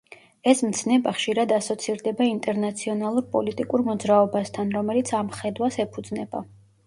ეს მცნება ხშირად ასოცირდება ინტერნაციონალურ პოლიტიკურ მოძრაობასთან, რომელიც ამ ხედვას ეფუძნება.